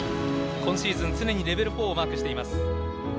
今シーズン常にレベル４をマークしています。